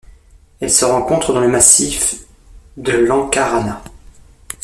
Elle se rencontre dans le massif de l’Ankarana.